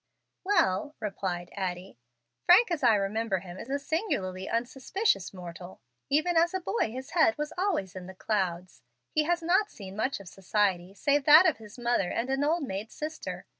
"Well," replied Addie, "Frank, as I remember him, is a singularly unsuspicious mortal. Even as a boy his head was always in the clouds. He has not seen much society save that of his mother and an old maid sister.